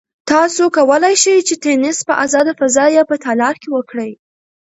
تاسو کولای شئ چې تېنس په ازاده فضا یا په تالار کې وکړئ.